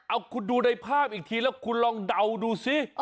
เอาคุณดูในภาพอีกทีแล้วคุณลองเดาดูสิ